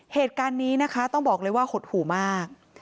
เหตุการณ์นี้นะคะต้องบอกเลยว่าหดหู่มาก